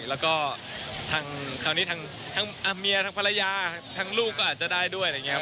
แล้วก็คราวนี้ทั้งเมียทั้งภรรยาทั้งลูกก็อาจจะได้ด้วย